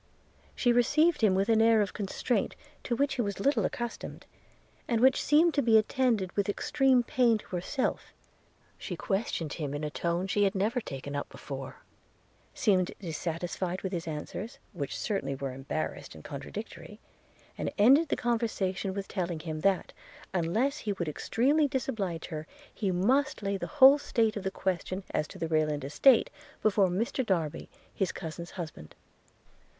She received him with an air of constraint to which he was little accustomed, and which seemed to be attended with extreme pain to herself: she questioned him in a tone she had never taken up before; seemed dissatisfied with his answers, which certainly were embarrassed and contradictory; and ended the conversation with telling him that, unless he would extremely disoblige her, he must lay the whole state of the question as to the Rayland estate before Mr Darby, his cousin's husband.